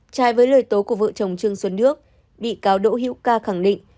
trái với lời tố của vợ chồng trương xuân đức bị cáo đỗ hiễu ca khẳng định